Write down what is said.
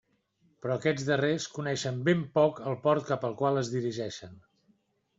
Però aquests darrers coneixen ben poc el port cap al qual es dirigeixen.